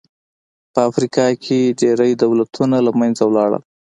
په افریقا کې ډېری دولتونه له منځه لاړل.